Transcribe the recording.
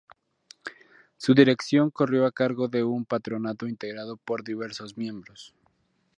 Su dirección corrió a cargo de un Patronato integrado por diversos miembros.